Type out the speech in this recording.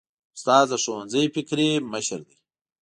استاد د ښوونځي فکري مشر دی.